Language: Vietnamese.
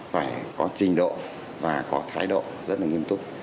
phải có trình độ và có thái độ rất là nghiêm túc